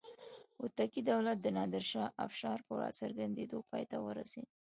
هوتکي دولت د نادر شاه افشار په راڅرګندېدو پای ته ورسېد.